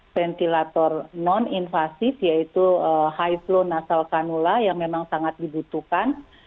ventilator non invasif yaitu high flow nasal kanula yang memang sangat dibutuhkan